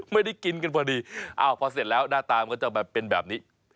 ไม่ได้กินกันพอดีอ้าวพอเสร็จแล้วหน้าตามันก็จะแบบเป็นแบบนี้